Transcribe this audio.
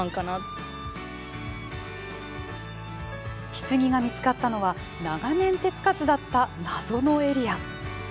ひつぎが見つかったのは長年、手つかずだった謎のエリア。